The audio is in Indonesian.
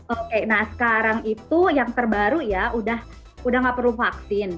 oke nah sekarang itu yang terbaru ya udah gak perlu vaksin